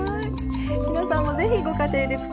皆さんも是非ご家庭で作って下さい。